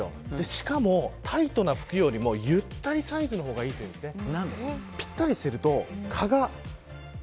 しかもタイトな服よりもゆったりサイズの方がいいというんですね。